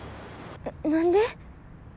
何で？